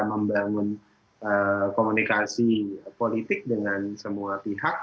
membangun komunikasi politik dengan semua pihak